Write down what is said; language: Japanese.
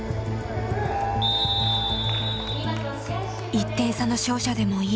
１点差の勝者でもいい。